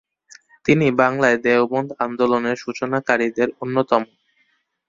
তিনি বাংলায় দেওবন্দ আন্দোলনের সূচনাকারীদের অন্যতম।